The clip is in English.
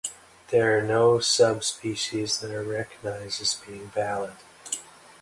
There are no subspecies that are recognized as being valid.